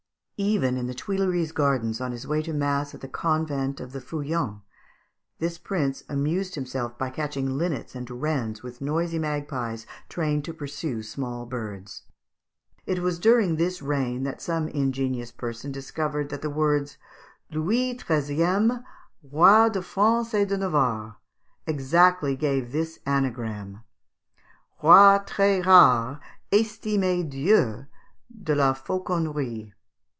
Even in the Tuileries gardens, on his way to mass at the convent of the Feuillants, this prince amused himself by catching linnets and wrens with noisy magpies trained to pursue small birds. It was during this reign that some ingenious person discovered that the words LOUIS TREIZIÈME, ROY DE FRANCE ET DE NAVARRE, exactly gave this anagram, ROY TRÈS RARE, ESTIMÉ DIEU DE LA FAUCONNERIE.